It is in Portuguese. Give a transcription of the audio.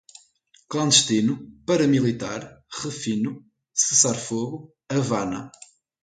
clandestino, paramilitar, refino, cessar-fogo, Havana